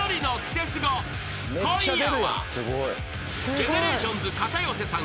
［ＧＥＮＥＲＡＴＩＯＮＳ片寄さん。